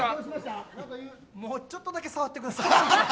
もうちょっとだけ触ってください。